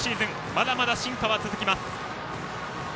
まだまだ進化は続きます。